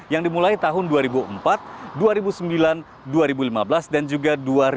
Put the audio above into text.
yang dimulai tahun dua ribu empat dua ribu sembilan dua ribu lima belas dan juga dua ribu dua puluh